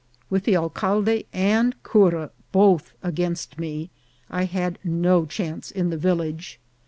With the alcalde and cura both against me, I had no chance in the village.